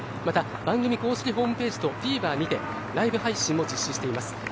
また番組公式ホームページとＴＶｅｒにてライブ配信も実施しています。